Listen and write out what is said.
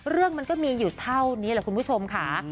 เรื่องมันก็มีอยู่เท่านี้แหละคุณผู้ชมค่ะ